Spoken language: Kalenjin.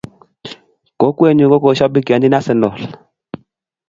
kokwee nyu kushobikionchini arsenal